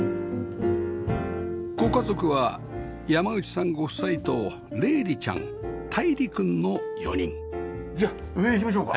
ご家族は山口さんご夫妻と玲里ちゃん泰理くんの４人じゃあ上行きましょうか。